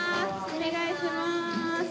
お願いしまーす。